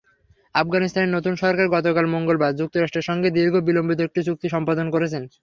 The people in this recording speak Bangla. আফগানিস্তানের নতুন সরকার গতকাল মঙ্গলবার যুক্তরাষ্ট্রের সঙ্গে দীর্ঘ বিলম্বিত একটি চুক্তি সম্পাদন করেছে।